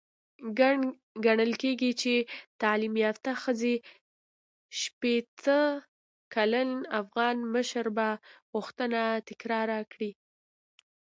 ګڼل کېږي چې تعليم يافته پنځه شپېته کلن افغان مشر به غوښتنه تکرار کړي.